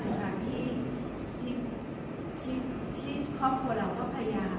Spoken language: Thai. ในการที่ที่ที่ที่ครอบครัวเราก็พยายาม